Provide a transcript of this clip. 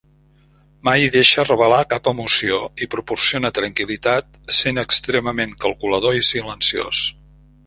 Mai deixa revelar cap emoció i proporciona tranquil·litat sent extremament calculador i silenciós.